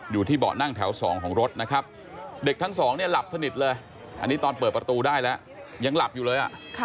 อยู่ที่เบาะนั่งแถว๒ของรถนะครับเด็กทั้งสองเนี่ยหลับสนิทเลยอันนี้ตอนเปิดประตูได้แล้วยังหลับอยู่เลย